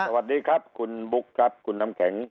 สวัสดีครับคุณบุ๊คครับคุณน้ำแข็ง